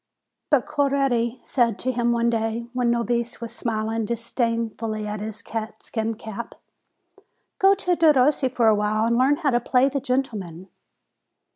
But Coretti said to him one day, when Nobis was smiling disdainfully at his catskin cap : "Go to Derossi for a while, and learn how to play the gentleman!"